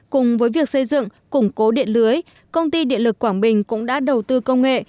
cùng với việc xây dựng củng cố điện lưới công ty điện lực quảng bình cũng đã đầu tư công nghệ